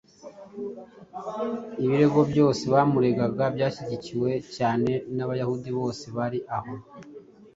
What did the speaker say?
Ibirego byose bamuregaga byashyigikiwe cyane n’Abayahudi bose bari aho;